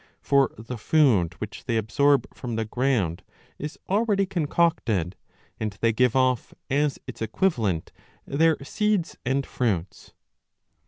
* For the food which they absorb from the ground is already concocted, and they give off as its equivalent their seeds and fruits.